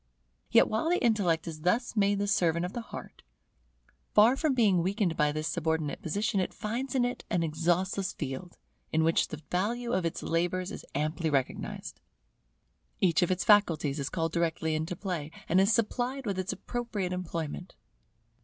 Yet while the intellect is thus made the servant of the heart, far from being weakened by this subordinate position, it finds in it an exhaustless field, in which the value of its labours is amply recognized. Each of its faculties is called directly into play, and is supplied with its appropriate employment.